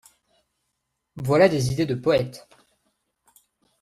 Voilà des idées de poète.